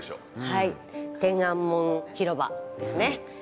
はい天安門広場ですね。